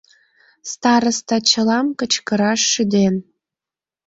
Староста чылам кычкыраш шӱден.